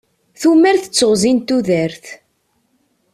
Tumert d teɣzi n tudert.